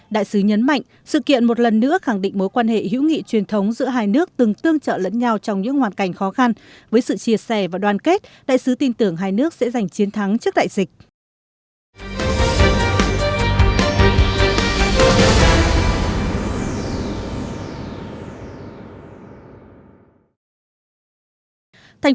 đại sứ nhấn mạnh sự kiện một lần nữa khẳng định mối quan hệ hữu nghị truyền thống giữa hai nước từng tương trợ lẫn nhau trong những hoàn cảnh khó khăn với sự chia sẻ và đoàn kết đại sứ tin tưởng hai nước sẽ giành chiến thắng trước đại dịch